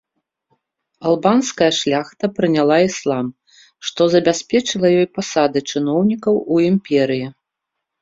Албанская шляхта прыняла іслам, што забяспечыла ёй пасады чыноўнікаў у імперыі.